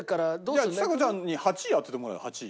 じゃあちさ子ちゃんに８位当ててもらおうよ８位。